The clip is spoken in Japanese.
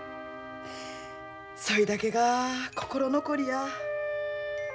そいだけが心残りや。